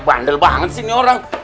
bandel banget sih ini orang